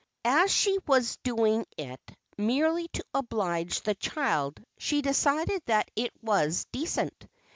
As she was doing it merely to oblige the child, she decided that it was de cent.